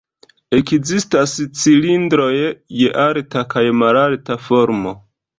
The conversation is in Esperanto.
Ekzistas cilindroj je alta kaj malalta formo.